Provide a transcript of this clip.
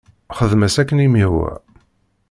Xdem-as akken i m-ihwa.